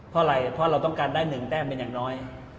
เพราะอะไรเพราะเราต้องการได้๑แต้มเป็นอย่างน้อย